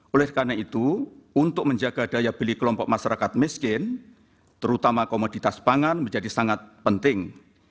oleh karena itu untuk menjaga daya beli kelompok masyarakat miskin terutama komoditas pangan menjadi sangat penting